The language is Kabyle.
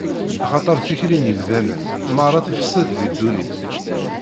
Axaṭer tikli n yemdanen meṛṛa tefsed di ddunit.